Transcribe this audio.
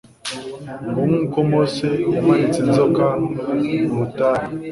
ngo : "Nk'uko Mose yamanitse inzoka mu butayu,